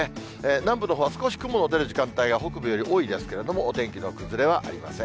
南部のほうは少し雲の出る時間帯が北部より多いですけども、お天気の崩れはありません。